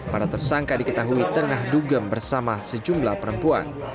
para tersangka diketahui tengah dugem bersama sejumlah perempuan